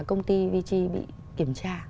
công ty vg bị kiểm tra